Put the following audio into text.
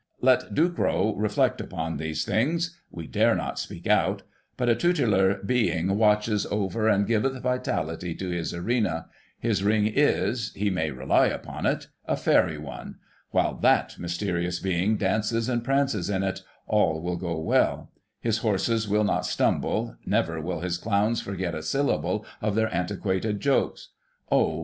"Let Ducrow reflect upon these things— we dare not speak out — ^but a tutelar being watches over, and giveth vitality to his arena — his ring is, he may rely upon it, a fairy one — ^while that mysterious being dances and prances in it, all will go well ; his horses will not stumble, never will his clowns forget a syllable of their antiquated jokes. Oh